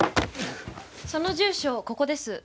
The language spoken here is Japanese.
その住所ここです。